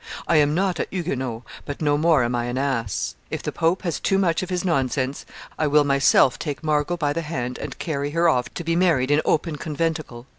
I am not a Huguenot, but no more am I an ass. If the pope has too much of his nonsense, I will myself take Margot by the hand and carry her off to be married in open conventicle."